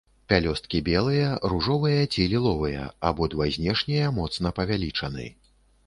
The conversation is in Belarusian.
Пялёсткі белыя, ружовыя ці ліловыя, абодва знешнія моцна павялічаны.